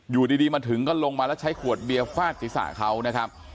อยู่ดีมาถึงก็ลงมาแล้วใช้ขวดเบียร์ฟาดศีรษะเขานะครับ